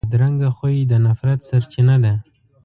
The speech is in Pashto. بدرنګه خوی د نفرت سرچینه ده